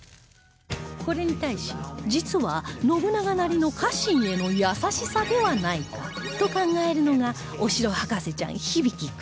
これに対し実は信長なりの家臣への優しさではないかと考えるのがお城博士ちゃん響大君